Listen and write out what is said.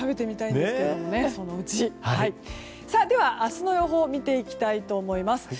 では、明日の予報を見ていきたいと思います。